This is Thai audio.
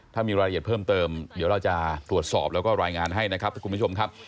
ถ้ามีรายละเอียดเพิ่มเติมเดี๋ยวเราจะตรวจสอบแล้วก็รายงานให้นะครับถ้าคุณผู้ชมครับ